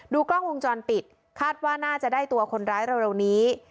กล้องวงจรปิดคาดว่าน่าจะได้ตัวคนร้ายเร็วนี้